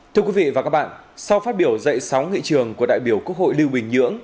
thưa quý vị và các bạn sau phát biểu dậy sóng nghị trường của đại biểu quốc hội lưu bình nhưỡng